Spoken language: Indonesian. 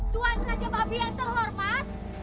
tuhan raja babi yang terhormat